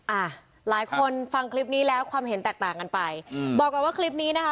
อ่าหลายคนฟังคลิปนี้แล้วความเห็นแตกต่างกันไปอืมบอกก่อนว่าคลิปนี้นะคะ